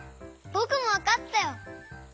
ぼくもわかったよ！